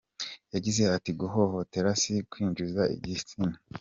Yagize ati: "Guhohotera si kwinjiza igitsina.